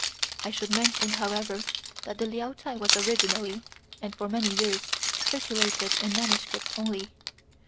I should mention, however, that the Liao Chai was originally, and for many years, circulated in manu script only.